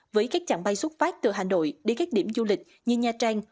với các chặng bay xuất phát từ hà nội đi các điểm du lịch như nha trang